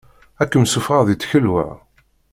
Ad kem-ssufɣeɣ si tkelwa.